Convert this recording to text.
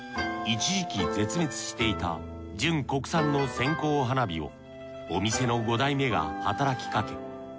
一時期絶滅していた純国産の線香花火をお店の５代目が働きかけ